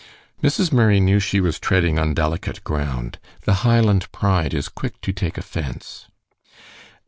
Mrs. Murray knew she was treading on delicate ground. The Highland pride is quick to take offense.